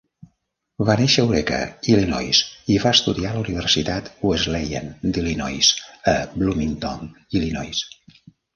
Va néixer a Eureka, Illinois, i va estudiar a la universitat Wesleyan d'Illinois, a Bloomington, Illinois.